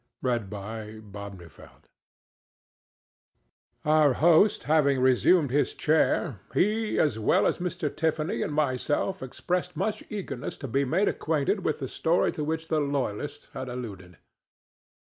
OLD ESTHER DUDLEY Our host having resumed the chair, he as well as Mr. Tiffany and myself expressed much eagerness to be made acquainted with the story to which the loyalist had alluded.